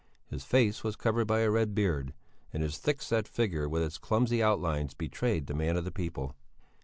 His face was covered by a red beard, and his thick set figure with its clumsy outlines betrayed the man of the people.